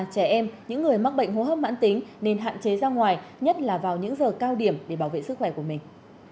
trẻ em những người mắc bệnh hô hấp mãn tính nên hạn chế ra ngoài nhất là vào những giờ cao điểm để bảo vệ sức khỏe của mình